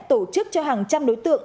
tổ chức cho hàng trăm đối tượng